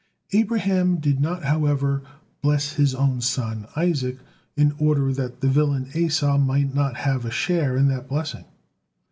Abraham did not, however, bless his own son Isaac, in order that the villain Esau might not have a share in that blessing.